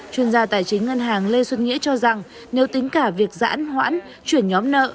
chuyên gia tài chính ngân hàng lê xuân nghĩa cho rằng nếu tính cả việc giãn hoãn chuyển nhóm nợ